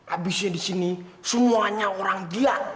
habisnya di sini semuanya orang gila